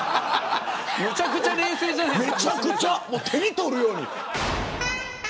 めちゃくちゃ冷静じゃないですか。